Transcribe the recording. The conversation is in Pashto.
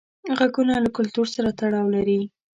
غږونه له کلتور سره تړاو لري.